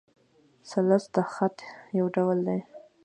ثلث د خط؛ یو ډول دﺉ.